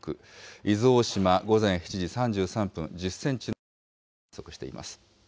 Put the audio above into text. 伊豆大島、午前７時３３分、１０センチの津波を観測しています。